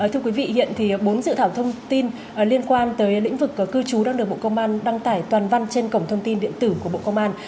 thực hiện thì bốn dự thảo thông tin liên quan tới lĩnh vực cư trú đang được bộ công an đăng tải toàn văn trên cổng thông tin điện tử của bộ công an